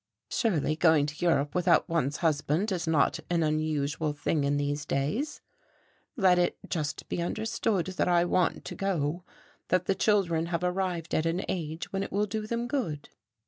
Surely, going to Europe without one's husband is not an unusual thing in these days. Let it just be understood that I want to go, that the children have arrived at an age when it will do them good."